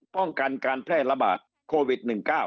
ป้องกันการแพร่ระบาดโควิด๑๙